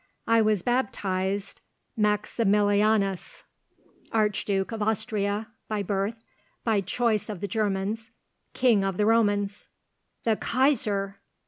"I was baptized Maximilianus; Archduke of Austria, by birth; by choice of the Germans, King of the Romans." "The Kaisar!"